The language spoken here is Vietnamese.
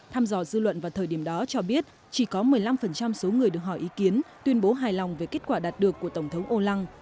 tham dò dư luận vào thời điểm đó cho biết chỉ có một mươi năm số người được hỏi ý kiến tuyên bố hài lòng về kết quả đạt được của tổng thống olan